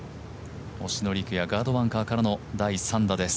星野陸也、ガードバンカーからの第３打です。